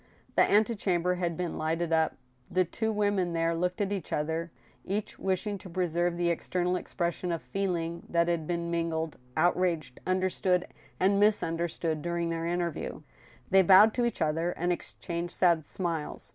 The antechamber had been lighted up. The two women there looked at each other, each wishing to preserve the external expres sion of feeling that had been mingled, outraged, understood, and misunderstood during their interview. They bowed to each other, and exchanged sad smiles.